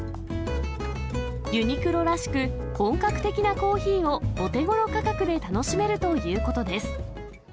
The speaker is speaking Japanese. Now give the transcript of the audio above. ユニクロらしく、本格的なコーヒーをお手ごろ価格で楽しめるということです。